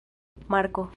marko